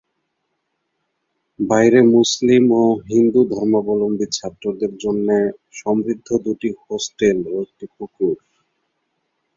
বাইরে মুসলিম ও হিন্দু ধর্মাবলম্বী ছাত্রদের জন্যে সমৃদ্ধ দুটি হোস্টেল ও একটি পুকুর।